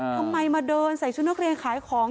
ทำไมมาเดินใส่ชุดนักเรียนขายของ